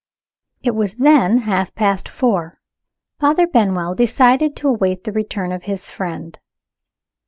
It was then half past four. Father Benwell decided to await the return of his friend.